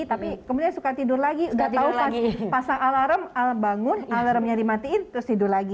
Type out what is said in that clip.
tapi kemudian suka tidur lagi udah tau lah pasang alarm al bangun alarmnya dimatiin terus tidur lagi